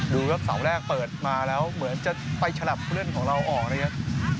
ดูครับเสาแรกเปิดมาแล้วเหมือนจะไปฉลับผู้เล่นของเราออกนะครับ